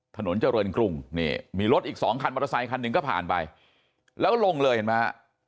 ถนนเจริญกรุงมีรถอีก๒คันมอเตอร์ไซต์๑คันก็ผ่านไปแล้วลงเลยเห็นมั้ยฮะ